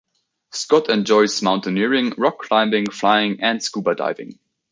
Scott enjoys mountaineering, rock climbing, flying and scuba diving.